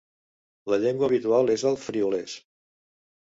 La llengua habitual és el friülès.